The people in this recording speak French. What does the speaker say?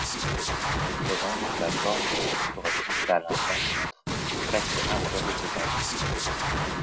Il se présente sous la forme d'une poudre cristalline blanchâtre presque insoluble dans l'eau.